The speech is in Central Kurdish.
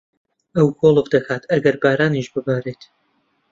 ئەو گۆڵف دەکات ئەگەر بارانیش ببارێت.